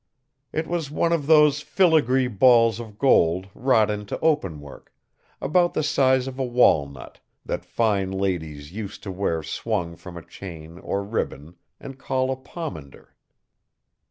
It was one of those filigree balls of gold wrought into openwork, about the size of a walnut, that fine ladies used to wear swung from a chain or ribbon and call a pomander.